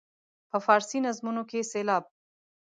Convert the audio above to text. په فارسي نظمونو کې سېلاب.